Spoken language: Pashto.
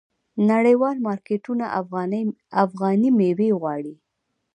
نړیوال مارکیټونه افغاني میوې غواړي.